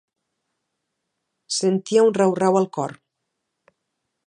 Sentia un rau-rau al cor.